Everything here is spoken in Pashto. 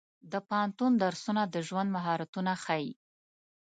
د پوهنتون درسونه د ژوند مهارتونه ښيي.